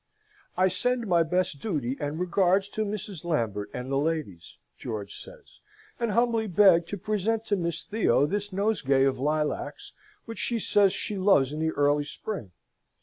"'I send my best duty and regards to Mrs. Lambert and the ladies,'" George says, "'and humbly beg to present to Miss Theo this nosegay of lilacs, which she says she loves in the early spring.